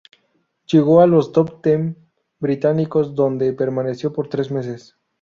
Llegó a los top ten británicos, donde permaneció por tres meses.